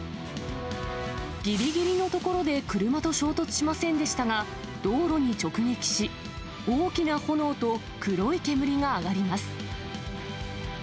ぎりぎりのところで車と衝突しませんでしたが、道路に直撃し、大きな炎と黒い煙が上がります。